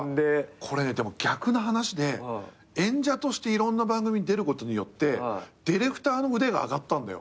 これねでも逆の話で演者としていろんな番組に出ることによってディレクターの腕が上がったんだよ。